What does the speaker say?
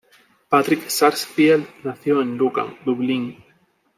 Patrick Sarsfield nació en Lucan, Dublín.